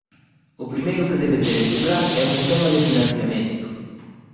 O primeiro que debe ter este plan é un esquema de financiamento.